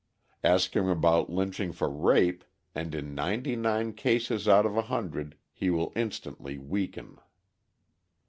Ask him about lynching for rape, and in ninety nine cases out of a hundred he will instantly weaken.